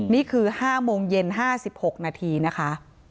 นี่คือ๕โมงเย็น๕๖นาทีนะคะ